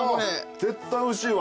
絶対おいしいわ。